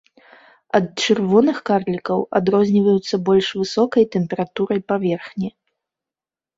Ад чырвоных карлікаў адрозніваюцца больш высокай тэмпературай паверхні.